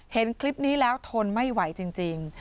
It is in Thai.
เห็นคลิปนี้แล้วทนไม่ไหวจริง